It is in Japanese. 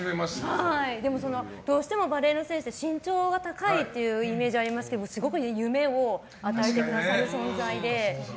でもどうしてもバレーの選手って身長が高いっていうイメージありますけどすごく夢を与えてくださる存在で。